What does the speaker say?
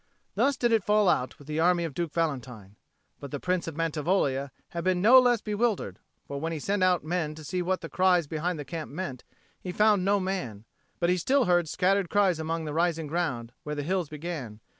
Thus did it fall out with the army of Duke Valentine. But the Prince of Mantivoglia had been no less bewildered; for when he sent out men to see what the cries behind the camp meant, he found no man; but he still heard scattered cries among the rising ground, where the hills began.